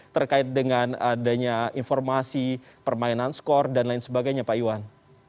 terkait dengan adanya informasi permainan skor dan lain sebagainya pak iwan